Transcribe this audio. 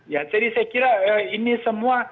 ya jadi saya kira ini semua